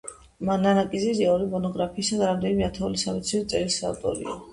ნანა კიზირია ორი მონოგრაფიისა და რამდენიმე ათეული სამეცნიერო წერილის ავტორია.